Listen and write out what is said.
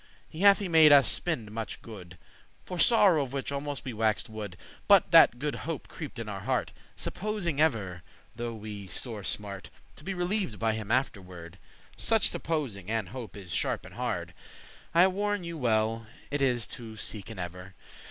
He hath y made us spende muche good, For sorrow of which almost we waxed wood,* *mad But that good hope creeped in our heart, Supposing ever, though we sore smart, To be relieved by him afterward. Such supposing and hope is sharp and hard. I warn you well it is to seeken ever.